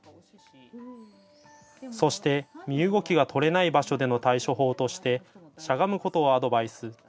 そして身動きが取れない場所での対処法としてしゃがむことをアドバイス。